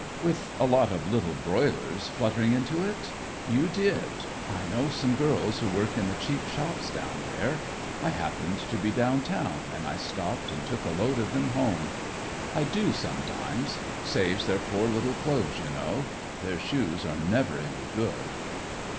"With a lot of little broilers fluttering into it? You did. I know some girls who work in the cheap shops down there. I happened to be down town and I stopped and took a load of them home. I do sometimes. Saves their poor little clothes, you know. Their shoes are never any good."